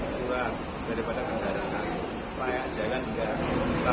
buat daripada kendaraan layak jalan juga